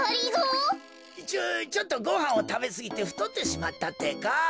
ちょっとごはんをたべすぎてふとってしまったってか。